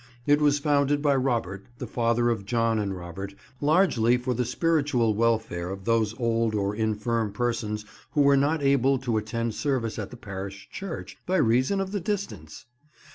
It was founded by Robert, the father of John and Robert, largely for the spiritual welfare of those old or infirm persons who were not able to attend service at the parish church, by reason of the distance!